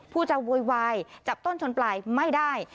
ผู้จะโวยวายจับต้นชนปลายไม่ได้